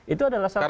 itu adalah salah satu